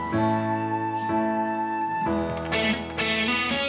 หดกันด้วย